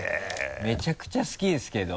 めちゃくちゃ好きですけど。